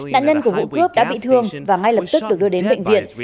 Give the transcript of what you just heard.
nạn nhân của vụ cướp đã bị thương và ngay lập tức được đưa đến bệnh viện